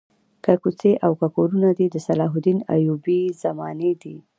که کوڅې او که کورونه دي د صلاح الدین ایوبي زمانې دي.